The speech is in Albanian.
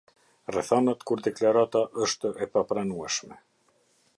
Rrethanat kur deklarata është e papranueshme.